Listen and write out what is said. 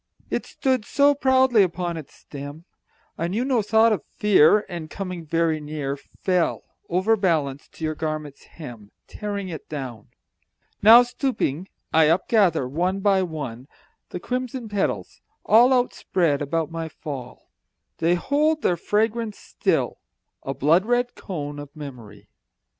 It stood so proudly up upon its stem, I knew no thought of fear, And coming very near Fell, overbalanced, to your garment's hem, Tearing it down. Now, stooping, I upgather, one by one, The crimson petals, all Outspread about my fall. They hold their fragrance still, a blood red cone Of memory.